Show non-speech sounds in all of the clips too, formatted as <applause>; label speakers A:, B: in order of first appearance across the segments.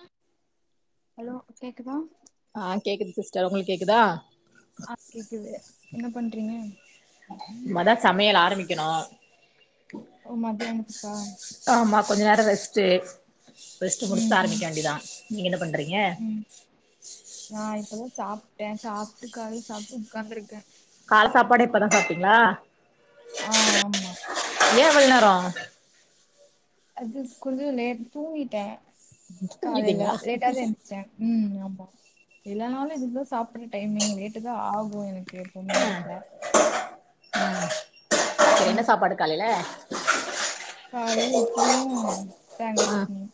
A: ஆ
B: hello கேக்குதா
A: ஆ கேக்குது சிஸ்டர் உங்களுக்கு கேக்குதா
B: ஆ கேக்குது என்ன பண்றீங்க
A: மதா சமையல் ஆரம்பிக்கணோ
B: ஓ மதியானத்துக்கா
A: ஆமா கொஞ்ச நேரோ ரெஸ்டு ரெஸ்டு
B: ம்
A: முடிச்ட்டு
B: ம்
A: ஆரம்பிக்க வேண்டிதா நீங்க என்ன பண்றீங்க
B: ம் நா இப்பதா சாப்ட சாப்டு காலி சாப்டு உக்காந்துருக்கே
A: கால சாப்பாடே இப்பதா சாப்ட்டீங்களா
B: ஆ ஆமா
A: ஏ இவ்ளோ நேரோ
B: அது கொஞ்சோ லேட் தூங்கிட்ட காலையில
A: தூங்கிட்டீங்களா
B: லேட்டா தா எந்திச்ச ம் ஆம்மா எல்லானாலோ இதுதா சாப்புட்ற டைமிங் லேட்டு தா ஆகோ எனக்கு போமே வீட்ல
A: ஆ என்ன
B: ம்
A: சாப்பாடு காலேல
B: காலேல இட்லியு தேங்கா
A: ஆ
B: சட்னியு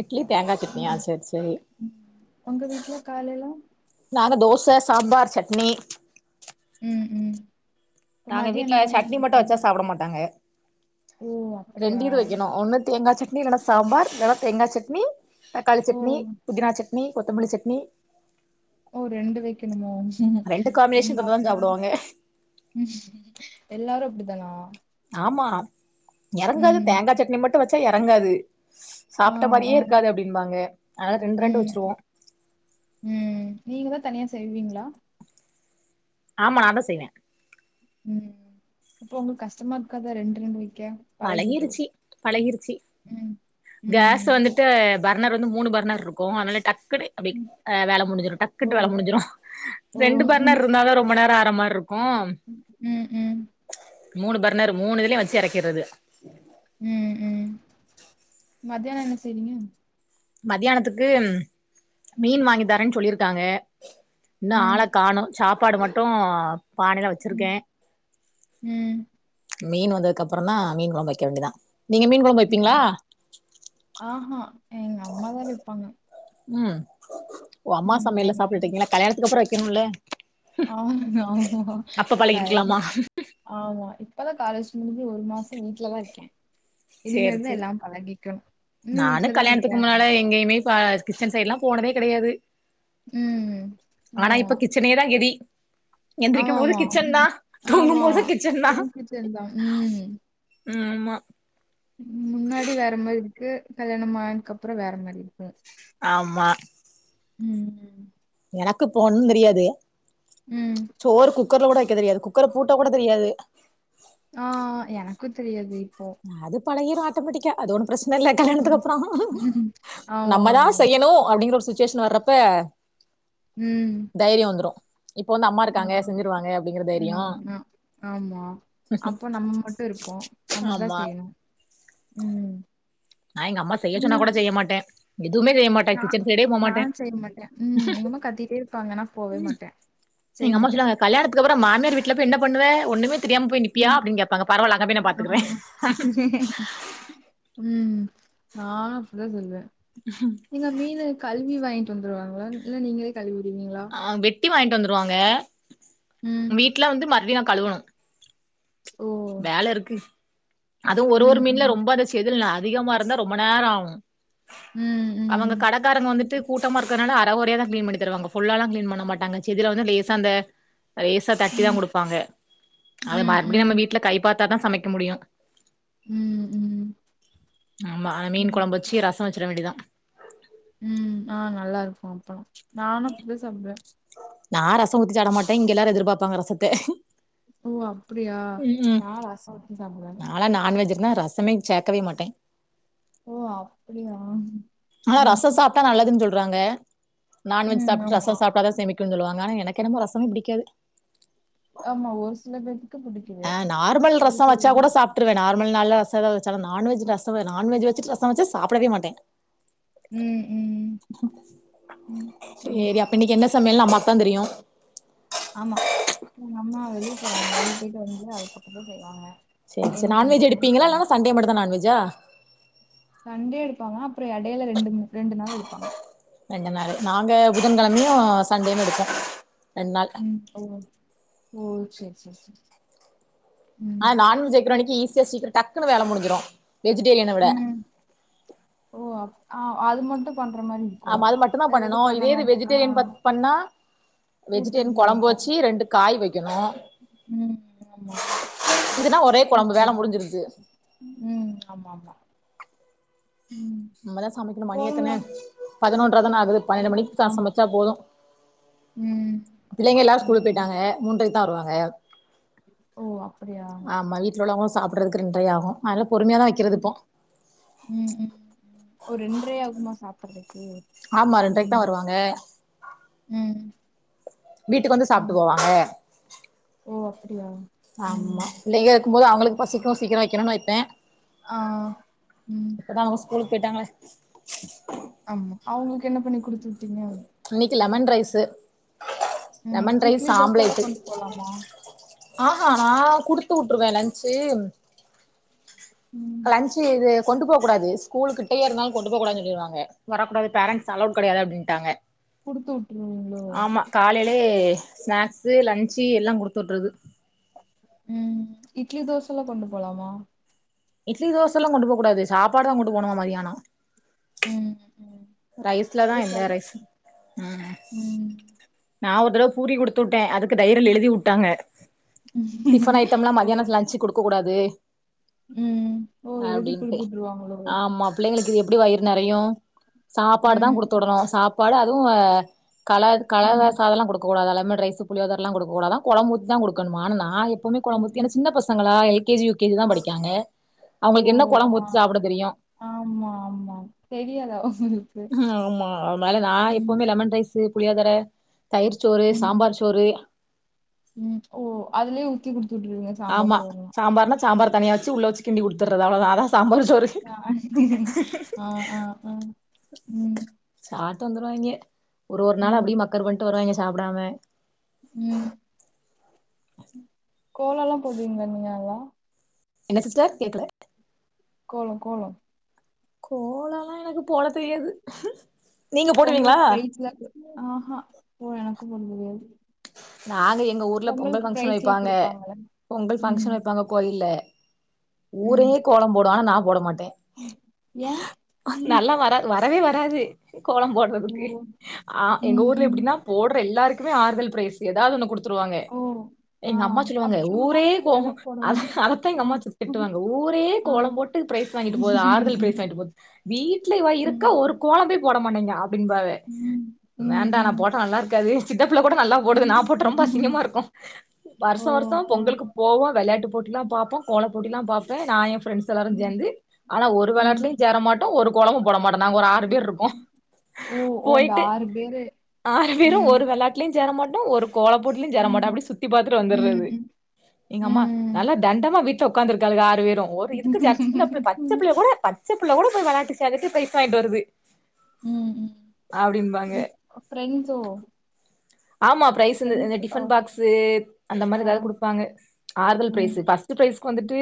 A: இட்லி தேங்கா சட்னியா
B: ம்
A: செர் செரி
B: ம் உங்க வீட்ல காலைல
A: நாங்க தோச சாம்பார் ஜட்னி
B: உம் உம்
A: நாங்க வீட்ல சட்னி மட்டோ வெச்சா சாப்ட மாட்டாங்க
B: ஓ அப்படியா
A: ரெண்டு இது வெக்கணோ ஒண்ணு தேங்கா ஜட் னி வேனா சாம்பார் இல்லனா தேங்கா ஜட்னி தக்காளி ஜட்னி
B: ஓ
A: புதினா ஜட்னி கொத்தமல்லி ஜட்னி
B: ஓ ரெண்டு வெய்க்கணுமோ
A: காம்பினேஷன்
B: ரெண்டு
A: இருந்தாதா
B: ஆப்னா
A: சாப்டுவாங்க
B: ம் எல்லாரோ அப்டித்தானா
A: ஆம்மா எறங்காது
B: ம்.
A: தேங்கா ஜட்னி மட்டு வெச்சா எறங்காது
B: ஆ,
A: சாப்ட்ட மாரியே
B: ஆ.
A: இருக்காது அப்டின்பாங்க அனால ரெண்டு ரெண்டு வச்சுருவோ
B: உம் நீங்க தா தனியா செய்வீங்ளா
A: ஆமா நா தா செய்வே
B: உம் அப்போ ஒங்களுக்கு கஷ்டமா இருக்காத ரெண்டு ரெண்டு வெய்க்க
A: பழகிருச்சி பழகிருச்சி
B: ம்.
A: கேஸ்
B: ம்.
A: வந்துட் ட்டு பர்னர் வந்து மூணு பர்னர் இருக்கோ அனால டக்குனு அப்டி
B: ம்.
A: வேல முடிஞ்சிரோ
B: ஓ!
A: டக்குட்டு வேல முடிஞ்சிரோ
B: ஓ!
A: ரெண்டு பர்னர் இருந்தா ரொம் ரொம்ப நேரோ ஆர்ற மார்ருக்கோம்
B: உம் உம்
A: மூணு பர்னர் மூணுதுலயு வச்சி எறக்கிறது
B: உம் உம் மதியானோ என்ன செய்வீங்க
A: மதியானத்துக்கு மீன் வாங்கி தாரேன் சொல்லியிருக்காங்க இன்னோ ஆள
B: ம்,
A: காணோ சாப்பாடு மட்டும் பானைல வச்சிருக்கே
B: உம்
A: மீன் வந்ததுக்கப்பறோம் தா மீன் கொழம்பு வைக்க வேண்டியதா நீங்க மீன் கொழம்
B: உம் ஆஹா எங்க அம்மா தா வெப்பாங்க
A: உம் ஓ அம்மா சமையல்ல
B: எங்க
A: சாப்ட்டுட
B: அம்மா
A: இருக்கீங்களா கல்யாணத்துக்கு அப்பறோ வெக்கணும்ல
B: ஆம் ஆமா கல்
A: பழகிக்கலாமா
B: ஆம்மா இப்பதா காலேஜ் முடிஞ்சி ஒரு மாசோ வீட்லதா இருக்கே
A: சேரி
B: இதுமேல்தா
A: சேரி
B: எல்லா பழகிக்கணும் உம் வீட்ல தானருப்ப
A: எங்கயுமே ப கிச்சன் சைட்லாம் போனதே கெடையாது
B: ம்.
A: ஆனா
B: ஆமா.
A: இப்ப கிச் சனேதா கெதி எந்திரிக்கும் போது
B: ஆமாமா.
A: கிச்சன் தா தூங்கும்
B: ஆமா.
A: போது கிச்சன் தா
B: ஜங்க் ஃபுட்ஸ் இருந்தா ம்.
A: ஆமா
B: முன்னாடி வேற மாரி இருக்கு கல்யாணம் ஆயினுக்கு அப்பறோ வேற மாரி இருக்கு
A: ஆமா
B: உம் உம்
A: எனக்கு இப்போ ஒன்னு தெரியாது
B: உம்
A: சோறு குக்கர்ல கொட வைக்க தெரியாது குக்கர பூட்ட கூட தெரியாது
B: ஆ எனக்கு தெரியாது இப்போ
A: அது பழையிரும் ஆட்டோமெட்டிக்கா அது ஒண்ணும் பிரச்சன இல்ல கல்யாணத்துக்கு
B: ம்.
A: அப்றோ நம்மதா
B: ஆமாமா.
A: செய்யணும் அப்டிங்கற ஒரு சுச்சுவேஷன் வர்றப்ப
B: ம்
A: தைரிய வந்துரு இப்ப வந்து அம்மா இருக்காங்க
B: ம்
A: செஞ்சிருவாங்க அப்டிங்கிற தைரியோ
B: ம் ஆ ஆமா அப்ப நம்ம மட்டு இருப்போ நம்மதா
A: ஆமா
B: செய்யணு ம்
A: நா எங்க அம்மா செய்யச் சொன்னா
B: நீங்க
A: கூட செய்ய மாட்டே எதுமே செய்ய மாட்
B: நா நான் செய்ய மாட்டே ம் எங்கம்மா கத்திட்டே இருப்பாங்க நா போவே மாட்ட செய்ய மட்ட
A: கல்யாணத்துக்கப்பற மாமியார் வீட்ல போய் என்ன பண்ணுவ ஒண்ணுமே தெரியாம போய் நிப்பியா
B: ம்
A: அப்டின் கேப்பாங்க பரவால அங்க போய் நா பாத்துக்கற
B: ஆமா <inaudible> ம் நா அப்படிதா சொல்லுவ
A: <inaudible>
B: நீங்க மீனு கழுவி வாங்கிட்டு வந்துருவாங்களா இல்ல நீங்களே கழுவிடிவிங்களா
A: அ வெட்டி வாங்கிட்டு வந்துருவாங்க
B: ம்
A: வீட்ல வந்து மறுவடியு நா கழுவணு
B: ஓ
A: வேல இருக்கு அது ஒரு ஒரு
B: ம்
A: மீன்ல
B: ம்
A: ரொம்ப அது செதுலுக அதிகமா இருந்தா ரொம்ப நேர ஆவு
B: ம் ம்
A: அவங்க கடைக்காரங்க வந்துட்டு கூட்டமா இருக்கிறனால அரகுறயாதா கிளீன் பண்ணி தருவாங்க ஃபுல்லாலா கிளீன் பண்ண மாட்டாங்க செதில வந்து லேசா அந்த லேஸ் ஆ தட்டிதா
B: ம்
A: குடுப்பாங்க அத
B: ம்
A: மறுபடியு நம்ம
B: ம்
A: வீட்ல கைப்பாத்தாதா சமைக்க முடியு
B: ம் ம்
A: ஆமா அத மீன்
B: ம்
A: கொழம்ப வெச்சு ரச வெச்சுற வேண்டிதா
B: ம் ஆ நல்லாருக்கு அப்பலா நானு அப்டிதா சாப்டுவ
A: நா ரச ஊத்தி சாப்பட மாட்ட இங்க எல்லாரு எதிர்பாப்பாங்க ரசத்த
B: ஓ அப்படியா
A: ம்
B: நா ரச ஊத்தி சாப்டுவே
A: நாலா நான்வெஜ் இருந்தா ரசமே சேக்கவே மாட்ட
B: ஓ அப்டியா
A: ஆனா
B: ம்
A: ரச சாப்ட்டா நல்லதுன் சொல்றாங்க நான்வெஜ்
B: ம்
A: சாப்ட்டு
B: ஆமா
A: ரச சாப்ட்டாதா செமி க்கு சொல்வாங்க ஆனா எனக்கு என்னமோ ரசமே பிடிக்காது
B: ஆமா ஒரு சில பேர்த்துக்
A: ஆ நார்மல் ரச வச்சா கூட சாப் ட்ருவே நார்மல் நாள்ல ரச எல்லா வெச்சாலா நான்வெஜ் ரச நான்வெஜ் வெச்சுட்டு ரச வெச்சா சாப்பிடவே மாட்டே
B: ம் ம் ம் ம்
A: சேரி அப்ப இன்னைக்கு என்ன சமையல்னு அம்மாக்தா தெரியு
B: ஆமா எங்கம்மா வெளிய போறாங்க வெளிய போயிட்டு வந்து அதுக்கப்பறந்தா செய்வாங்க
A: செரி செரி
B: என்ன
A: நான்வெஜ்
B: பண்றாங்கன்னு
A: எடுப்பிங்களா
B: தெரியல
A: இல்லனா சண்டே மட்டுந்தா நான்வெஜ்ஜா
B: சண்டே எடுப்பாங்க அப்பற எடையில ரெண்டு ரெண்டு நாள் எடுப்பாங்க
A: ரெண்டு நாள் நாங்க புதன்கிழமையு சண்டேவு எடுப்போ ரெண்டு நாள்
B: ஓ ஓ சேர் சேர் சேர்
A: ஆ நான்வெஜ் வெக்கற அன்னைக்கு ஈஸியா சீக்கிர டக்குனு வேல முடிஞ்சிரு வெஜிடேரியன விட
B: ம் ஓ அப் ஆ அது மட்டு பண்ற மாரி இருக்கும்
A: ஆமா அது மட்டுந்தா
B: வேற
A: பண்ணனு
B: எதும் பண்ண
A: இதே இது
B: வேண்டா ஆ
A: வெஜிடேரியன் ப பண்ணா
B: கூட்டுக்கு
A: வெஜிடேரியன் கொழம்பு
B: வேணும்
A: வெச்சு ரெண்டு காய் வெக்கணு
B: ம் ஆமா
A: இதுனா ஒரே கொழம்பு
B: கூட்டு
A: வேல
B: வெக்கனு
A: முடிஞ்சிருது
B: ம் ஆமா ஆமா ம்
A: நம்மதா சமைக்கணு மணி
B: கோலம்லா
A: எத்தன பதினொன்ற தான ஆகுது பன்னெண்டு மணிக்குதா
B: ஆமா
A: சமைச்சா போது
B: ம்
A: பிள்ளைங்கல்லா ஸ்கூல்க்கு
B: ம்
A: போயிட்டாங்க மூன்றைக்குதா வருவாங்க
B: ஓ அப்படியா
A: ஆமா வீட் ல உள்ளவங்களு சாப்ட்றதுக்கு ரெண்ரை ஆகு அதனால பொறுமையாதா வக்கிறது
B: ம்
A: இப்போ
B: ம் ம் ஓ ரெண்ரை ஆகுமா சாப்ட்றதுக்கு
A: ஆமா ரெண்ரைக்குதா வருவாங்க
B: ம்
A: வீட்டுக்கு வந்து
B: ம்
A: சாப்ட்டு போவாங்க
B: ஓ அப்டியா ம்
A: ஆமா பிள்ளைங்க இருக்கும்போது அவங்களுக்கு பசிக்கு சீக்கிரோ வைக்கணுன்னு வைப்பே
B: ஆ ம்
A: அதா அவுங்க ஸ்கூலுக்கு போயிட்டாங்களே
B: ஆமா அவுங்களுக்கு என்ன பண்ணி குடுத்து விட்டீங்க
A: இன்னிக்கி லெமன் ரைஸ்
B: ம்
A: லெமன்
B: இட்லி தோசைல்லா
A: ஆம்லேட்டு
B: கொண்டு போலாமா
A: ஆஹா நா குடுத்து வுட்டுருவே லன்ச்சு
B: ம்
A: லன்ச்சு இது கொண்டு போ கூடாது ஸ்கூலு கிட்டயே இருந்தாலு கொண்டு போ கூடாதுன்னு சொல்லிருவாங்க வரக்கூடாது பேரன்ஸ் அலோட் கெடையாது அப்டின்டாங்க
B: குடுத்து வுட்ருவீங்களோ
A: காலேலயோ ஸ்நாக்ஸு லன்சு எல்லா குடுத்துட்றது
B: ம் இட்லி தோசல்லா கொண்டு போலாமா
A: இட்லி தோசல்லா கொண்டு போ கூடாது சாப்பாடு தா கொண்டு போணுமா மதியானோ
B: ம் ம்
A: ரைஸ்லதா
B: அது
A: எல்லா
B: செல
A: ரைஸ்சு ம்
B: ம்
A: நா ஒரு தடவ பூரி குடுத்து விட்டே அதுக்கு டைரில எழுதி வுட்டாங்க டிஃபன் ஐடம்ல்லா
B: ஓ
A: மதியானோ லன்சுக்கு குடுக்க கூடாது
B: ம் ஓ எழுதி
A: அப்டின்ட்டு
B: குடுத்துட்டுருவாங்களோ
A: ஆமா பிள்ளைங்களுக்கு இது எப்டி வயிறு நெறையு சாப்பாடுதா குடுத்து
B: ம்
A: விடனு சாப் பாடு அதுவு கலர் கலரா
B: ம்
A: சாதல்லா குடுக் கூடாதா லெமன் ரைஸ் புளியோதரைலா குடுக்க கூடதா கொழம்பு ஊத்திதா குடுக்கணுமா ஆனா நா எப் பவுமே
B: ஆ
A: கொழம்பூத்தி ஏன்னா சின்ன பசங்களா L K G U K G தா
B: ஆ
A: படிக்காங்க
B: ஓ
A: அவுங்களுக்கு என்ன கொழம்பு
B: ஆ
A: ஊத்தி சாப்ட தெரியு
B: ஆமா ஆமா தெரியாதா உங்களுக்கு
A: ஆமா அதனால நா
B: ம்
A: எப்பவுமே லெமன் ரைஸ் புளியோதர தயிர் சோறு
B: ம்
A: சாம்பார் சோறு
B: ம் ஓ அதுலயே ஊத்தி குடுத்து விட்ருவீங்க
A: ஆமா சாம்பார்னா சாம்பார் தனியா வச்சி உள்ள வச்சி கிண்டி குடுத்துறது அவ்ளதா அதா சாம்பார் சோறு
B: ஆ ஆ ஆ ம்
A: சாப்ட்டு வந்துருவாங்க ஒரு ஒரு நாள்
B: ம்
A: அப்டியே மக்கர் பண்ணிட்டு வருவாங்க சாப்டாம
B: ம் கோலல்லா போடுவீங்களா நீங்க நல்லா
A: என்ன சிஸ்டர் கேக்கல
B: கோலோ கோலோ
A: கோலல்லா எனக்கு போட தெரியாது நீங்க போடுவீங்களா
B: ஆ அ போ எனக்கு <unintelligible>
A: நாங்க எங்க ஊர்ல பொங்கல்
B: பொங்கலுக்கு
A: ஃபங்க்ஷன்
B: பிரைஸ்லா
A: வைப்பாங்க
B: குடுப்பாங்கல்ல
A: பொங்கல் ஃபங்க்ஷன்
B: ம்
A: வெப்பாங்க கோயில்ல ஊரே கோலம் போடும் ஆனா நா போட மாட்டே
B: ம் ஏன்
A: நல்லா வரா வரவே வராது கோலம்
B: ஓ
A: போட்றதுக்கு ஆ எங்க
B: ம்
A: ஊர்ல
B: ம்
A: எப்டின்னா போட்ற எல்லாருக்குமே ஆறுதல் ப்ரைஸ்ஸு எதாவ்து ஒன்னு குடு த்துடுவாங்க
B: ஓ ஆ
A: எங்க அம்மா
B: அப்ப
A: சொல்லுவாங்க
B: சும்மா
A: ஊரே
B: பூ ஏதா
A: கோலம்
B: போடணு
A: அதத்தா எங்க
B: ஆ
A: அம்மா சொல் திட்டுவாங்க ஊரே
B: ஆ
A: கோலம் போட்டு பிரைஸ் வாங்கிட்டு போது ஆறுதல் பிரைஸ்
B: ம்
A: வாங்கிட்டு போது வீட்ல இவ இருக்கா ஒரு கோலம் போய் போட மாட்டேங்க அப்டின்பாங்க
B: ம்
A: வேண்டா நா
B: ம்
A: போட்டா நல்லா இருக்காது சித்தப்பிள்ள கூட நல்லா போடுது நா போட்டு ரொம்ப
B: ம்
A: அசிங்கமா இருக்கும்
B: ஓ
A: வருசோ வருசோ
B: ஓ
A: பொங்கல்க்கு போவோ வெள்யாட்டு போட்டிலா பாப்பே கோல போட்டில்லா பாப்ப நா என் ஃப்ரெண்ட்ஸ் எல்லாரும்
B: ம்
A: சேந்து ஆனா ஒரு
B: ம்
A: வெளாட்லயும் சேர மாட்டோம் ஒரு கோலமு போட மாட்டோ நாங்க ஒரு ஆறு பேருக்கும்
B: ஓ ஓ அந்த
A: போயிட்டு
B: பேரு
A: ஆறு பேரும்
B: ம்
A: ஒரு வெள்ளாட் லயு சேர மாட்டோ ஒரு கோல போட்டிலும் சேர மாட்டோ
B: ம்
A: அப்டே சுத்தி பாத்துட்டு
B: ம்
A: வந்துறது
B: ம்
A: எங்க அம்மா
B: ம்
A: நல்லா தண்டமா வீட் ல உக்காந்து இருக்காளுங்க ஆறு பேரும் ஒரு இதுக்கு ஜ சின்ன பு பச்ச
B: ம்
A: புள்ள கூட ப பச்ச புள்ள கூட போய் வெள்ளாட்டு <unintelligible> பிரைஸ் வாய்ங்ட்டு வருது
B: ம்
A: அப்டிம்பாங்க
B: ம் ப்ரைசோ
A: ஆமா ப்ரைஸுன்னு இந்த
B: ஓ
A: டிஃபன் பாக்ஸு அந்த மாதிரி
B: ஆ
A: எதாவ்து குடுப்பாங்க ஆறுதல்
B: ம்
A: பிரைஸ்ஸு ஃபர்ஸ் ட்டு பிரைஸ் வந்துட்டு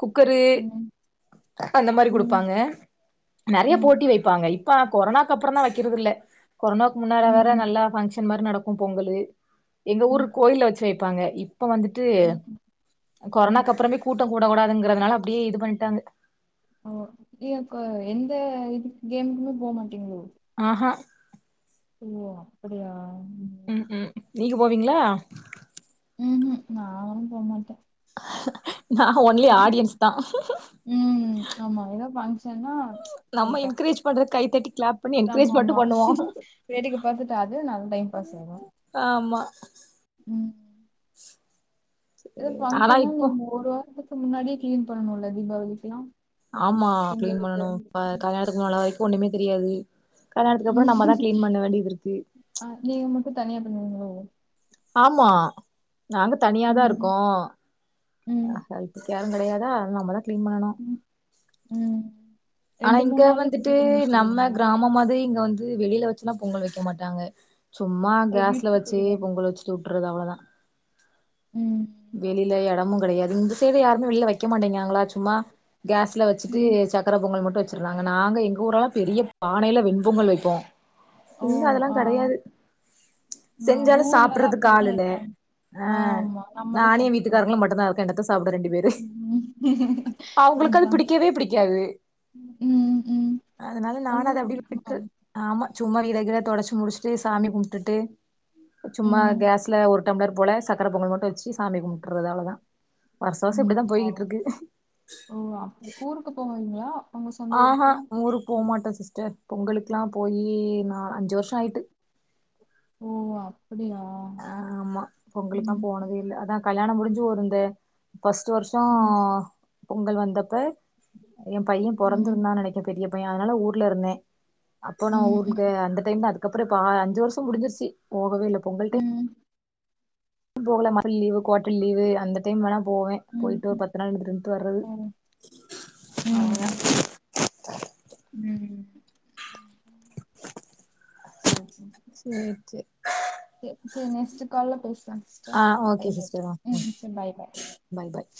A: குக்கரு
B: ம்
A: அந்த மாரி
B: ம்
A: குடுப்பாங்க நெறைய
B: ம்
A: போட்டி வைப்பாங்க இப்ப கொரனாவுக்கு அப்புறம் தா வைக்கிறது இல்ல கொரனாவுக்கு முன்னாரா
B: ம்
A: வேற
B: ம்
A: நல்லா ஃபங்க்ஷன் மாரி நடக்கும் பொங்கல்லு எங்க ஊரு
B: ம்
A: கோயில வச்சு வைப்பாங்க இப்ப வந்துட்டு
B: ம் ம்.
A: கொரனாக்கு அப்புறமே கூட்டம் கூடக்கூடாதுங்கிறதுனால அப்டியே இது பண்ணிட்டாங்க
B: ஓ நீ ஏன்க்கா எந்த இது கேமுக்குமே போ மாட்டீங்ளோ
A: ஆ அ
B: ஓ அப்படியா
A: ம் ம் நீங்க போவீங்ளா
B: ம் ம் நானும் போ மாட்ட
A: நா ஒன்லி ஆடியன்ஸ் தா
B: ம் ஆமா எதோ ஃபங்க்ஷன்னா
A: நம்ம என்கரேஜ் பண்ற கை தட்டி கிளாப் பண்ணி என்கரேஜ்
B: ஆமா
A: மட்டு
B: ஆமா
A: பண்ணுவோ
B: வேடிக்க பாத்துட்டு அதுவு நல்ல டைம் பாஸ் ஆகும்
A: ஆமா
B: ம் எதோ
A: ஆனா
B: ஃபங்க்ஷனா
A: இப்போ
B: நீங்க ஒரு வாரத்துக்கு முன்னாடியே கிளீன் பண்ணுல தீபாவளிக்குல்லா
A: ஆமா கிளீன் பண்ணனும் இப்ப கல்யாண தனி ஆளா வரைக்கும் ஒன்னுமே தெரியாது கல்யாணத்துக்கு அப்புறம் நம்ம தா க்ளீன் பண்ண வேண்டிது இருக்கு
B: அ நீங்க மட்டும் தனியா பண்ணுவீங்ளோ
A: ஆமா நாங்க தனியாதா
B: ம்
A: இருக்கோ ஆ
B: ம்
A: அ இப்ப யாரும் கெடயாதா நம்ப தா கிளீன் பண்ணனு
B: ம்
A: ஆனா இங்க
B: நாள்ல
A: வந்துட்டு
B: கிளீன் பண்ணி
A: நம்ம
B: முடிச்சுடுவீங்களா?
A: கிராம மாதிரி இங்க வந் து வெளில வச்சுல்லா பொங்கல் வெக்க மாட்டாங்க சும்மா
B: ஓ
A: கேஸ்ல வச்சு
B: வீட்டுக்குள்ளவா?
A: பொங்கல் வெச்சுட்டு விட்ருது அவ்ளோ தா
B: ம்
A: வெளில எடமு கடயாது இந்த சேரி யாருமே வெளில வெக்க மாட்டேங்கிறாங்களா சும்மா கேஸ் ட்ல வச்சுட்டு
B: ம்
A: சக்கர பொங்கல் மட்டு வெச்சிருந்தாங்க நாங்க எங்க ஊர் எல்லா பெரிய பானைல வெண் பொங்கல் வெப்போம்
B: ஓ
A: இங்க அதல்லா
B: ஆ
A: கடயாது
B: ஆ
A: செஞ்சாலு
B: ஊர்லலா
A: சாப்புட்றதுக்கு ஆளு
B: அப்படிதா
A: இல்ல
B: இருப்பாங்க.
A: ஆ
B: ஆமா. நம்ம தான்
A: நானு என்
B: சமைக்கணும்.
A: வீட்டுக்காரங்க மட்டுந்தாருக்கோ என்னத்த சாப்ட ரெண்டு பேரு
B: ம்.
A: அவுங்குளுக்கு அது
B: அதான்.
A: பிடிக்கவே பிடிக்காது
B: ம் ம்
A: அதனால நானு அத
B: உங்களுக்கு
A: அப்டியே
B: பிடிக்குமா?
A: விட்ரு ஆமா சும்மா வீடகீட தொடச்சி முடிஷ்ட்டு சாமி கும்ப்ட்டுட்டு சும்மா
B: ம்,
A: கேஸ்ல ஒரு டம்ளர் போல சக்கர பொங்கல் மட்டு வெச்சு சாமி கும்ட்றது அவளதா
B: ம் ஆ ஓ அப்டி ஊருக்கு போவிங்ளா
A: ஆ ஹா ஊருக்கு போமாட்ட சிஸ்டர் பொங்கலுக்லா போயி நால் அஞ்சு வர்ஷ்ஷோ ஆய்ட்டு
B: ஓ ஓ அப்புடியா
A: ஆ ஆமா பொங்கலுக்லா போனதே இல்ல அதா கல்யாண முடிஞ்சு ஒரு இந்த ஃபஸ்ட்டு வர்ஷ்ஷோ
B: ம்.
A: பொங்கல் வந்தப்ப ஏ பையன்
B: ம்,
A: பொறந்துருந்தான் நெனைக் பெரிய பைய அதனால ஊர்லருந்தே அப்போ நா
B: ம்,
A: ஊருக்கு
B: ம்,
A: அந்த டைம் அதுக்கப்றோ இ அஞ்சு வருஷோ முடிஞ்சிருச்சு போகவே இல்ல பொங்கல் டைம்
B: <inaudible>
A: போகல <unintelligible> லீவு குவாட்டல் லீவு அந்த டைம் வேனா போவே
B: ம்,
A: போய்ட்டு ஒரு
B: ம்.
A: பத்து நாள் இருந்துட்டு கிருண்ட்டு வர்றது
B: ஓ! ம்,
A: அவ்ளதா
B: ம், ம் சேர் சேர்
A: சேர் சேர்
B: சேர் சேர் நெக்ஸ்ட்டு கால்ல பேஸ்லாங் சிஸ்டர்
A: ஆ ஓகே
B: டைம் ஆய்ட்
A: சிஸ்டர் ஆ
B: ம் ம் சேர் பாய் கா
A: பாய் பாய்